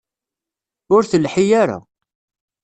Ur telḥi ara.